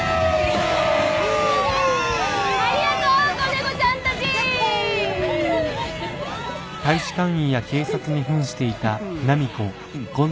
ありがとう子猫ちゃんたち！